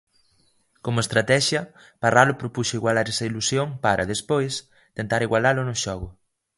Como estratexia, Parralo propuxo igualar esa ilusión para, despois, tentar igualalo no xogo.